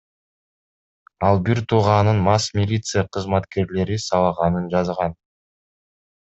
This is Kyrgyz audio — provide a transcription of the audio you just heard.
Ал бир тууганын мас милиция кызматкерлери сабаганын жазган.